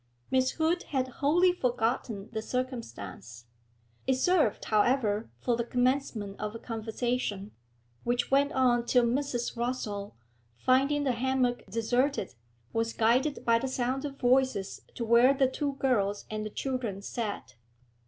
Miss Hood had wholly forgotten the circumstance. It served, however, for the commencement of a conversation, which went en till Mrs. Rossall, finding the hammock deserted, was guided by the sound of voices to where the two girls and the children sat.